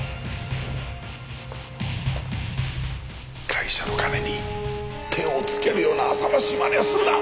会社の金に手を付けるような浅ましいまねはするな！